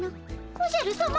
おじゃるさま。